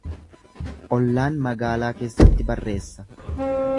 Ollaan magaalaa keessatti barreessa.